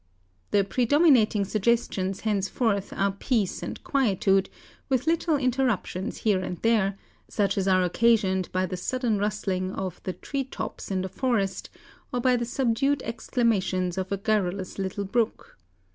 The predominating suggestions henceforth are peace and quietude, with little interruptions here and there, such as are occasioned by the sudden rustling of the tree tops in the forest or by the subdued exclamations of a garrulous little brook.